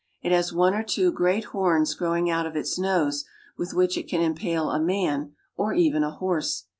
It has one or two great horns growing out of its nose, with which it can impale a man or even a horse.